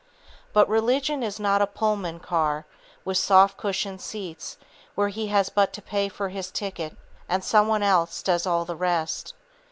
But religion is not a Pullman car, with soft cushioned seats, where he has but to pay for his ticket, and some one else does all the rest.